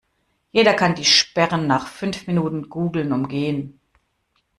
Jeder kann die Sperren nach fünf Minuten Googlen umgehen.